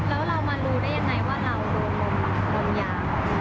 แล้วเรามารู้ได้ยังไงว่าเราโดนลมยา